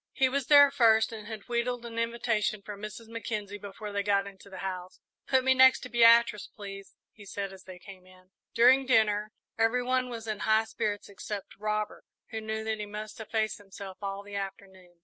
He was there first, and had wheedled an invitation from Mrs. Mackenzie before they got into the house. "Put me next to Beatrice, please," he said, as they came in. During dinner every one was in high spirits except Robert, who knew that he must efface himself all the afternoon.